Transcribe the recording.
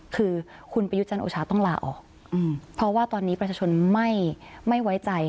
คือคุณประยุทธ์จันทร์โอชาต้องลาออกเพราะว่าตอนนี้ประชาชนไม่ไว้ใจ